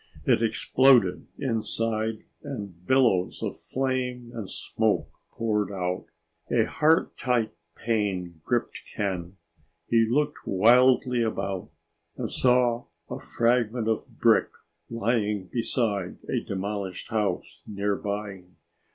It exploded inside and billows of flame and smoke poured out. A heart tight pain gripped Ken. He looked wildly about and saw a fragment of brick lying beside a demolished house nearby.